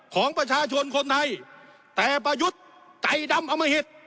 ของประชาชนคนไทยแต่ประยุทธ์ใจดำอมหิต